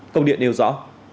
công điện nêu rõ